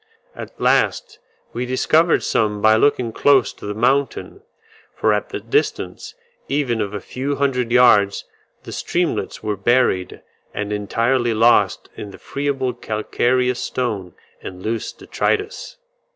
At last we discovered some by looking close to the mountain, for at the distance even of a few hundred yards the streamlets were buried and entirely lost in the friable calcareous stone and loose detritus.